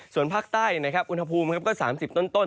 ส่วนภาคใต้อุณหภูมิก็๓๐ต้น